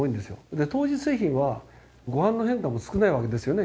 で当日製品はご飯の変化も少ないわけですよね